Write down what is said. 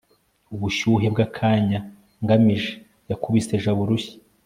ubushyuhe bwakanya, ngamije yakubise jabo urushyi